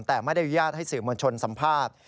แต่ไม่ได้อนุญาตให้สื่อมวลชนสัมภาษณ์